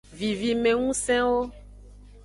Vivimengusenwo.